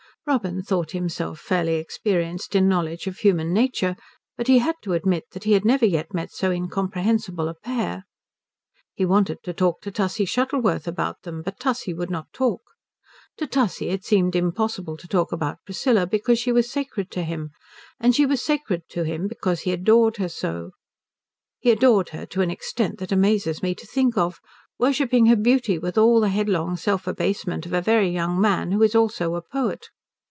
Robin thought himself fairly experienced in knowledge of human nature, but he had to admit that he had never yet met so incomprehensible a pair. He wanted to talk to Tussie Shuttleworth about them, but Tussie would not talk. To Tussie it seemed impossible to talk about Priscilla because she was sacred to him, and she was sacred to him because he adored her so. He adored her to an extent that amazes me to think of, worshipping her beauty with all the headlong self abasement of a very young man who is also a poet.